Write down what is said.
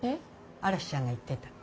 嵐ちゃんが言ってた。